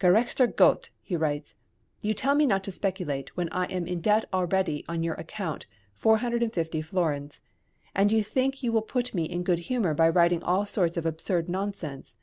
"Gerechter Gott!" he writes, "you tell me not to speculate when I am in debt already on your account 450 florins, and you think you will put me in good humour by writing all sorts of absurd nonsense."